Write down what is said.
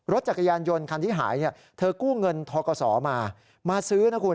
รถจักรยานยนต์คันที่หายเนี่ยเธอกู้เงินทกศมามาซื้อนะคุณ